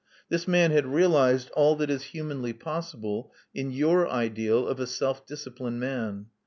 This man had realized all that is humanly possible in your ideal of a self disciplined man.